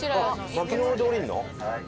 牧野々で降りるの？